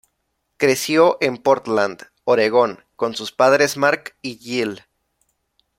Creció en Portland, Oregon con sus padres Mark y Jill.